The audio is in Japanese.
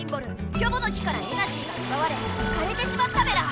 「キョボの木」からエナジーがうばわれかれてしまったメラ。